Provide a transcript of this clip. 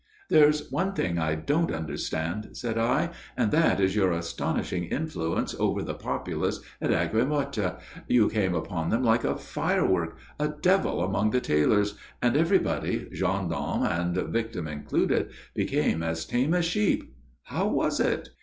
"There's one thing I don't understand," said I, "and that is your astonishing influence over the populace at Aigues Mortes. You came upon them like a firework a devil among the tailors and everybody, gendarmes and victim included, became as tame as sheep. How was it?"